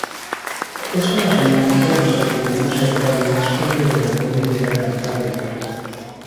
Es una zona montañosa que tiene muy cerca algunas cumbres de la Cordillera Cantábrica.